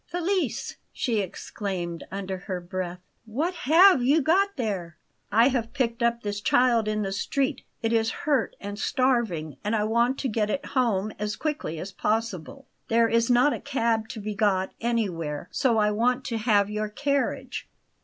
"Felice!" she exclaimed under her breath, "what HAVE you got there?" "I have picked up this child in the street. It is hurt and starving; and I want to get it home as quickly as possible. There is not a cab to be got anywhere, so I want to have your carriage."